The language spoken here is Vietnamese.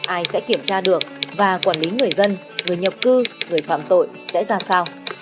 ai sẽ kiểm tra được và quản lý người dân người nhập cư người phạm tội sẽ ra sao